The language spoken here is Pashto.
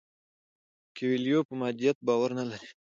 کویلیو په مادیت باور نه لري.